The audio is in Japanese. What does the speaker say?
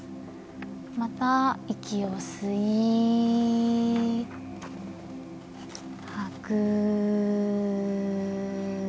また息を吸い、吐く。